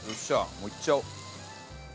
もういっちゃおう。